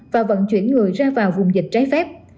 và vận chuyển người ra vào vùng dịch trái phép